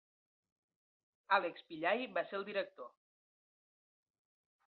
Alex Pillai va ser el director.